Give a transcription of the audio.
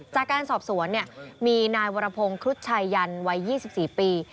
จากการสอบสวนมีนายวรพงศ์ครุฑชายยันวัย๒๔ปี